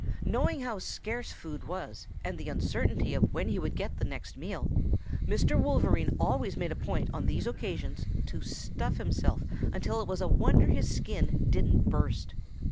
"Knowing how scarce food was and the uncertainty of when he would get the next meal, Mr. Wolverine always made it a point on these occasions to stuff himself until it was a wonder his skin didn't burst.